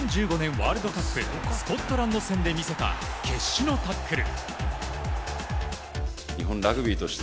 ワールドカップスコットランド戦で見せた決死のタックル。